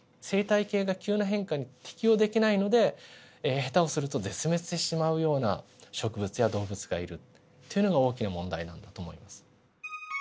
生態系が急な変化に適応できないので下手をすると絶滅してしまうような植物や動物がいるっていうのが大きな問題なんだと思います。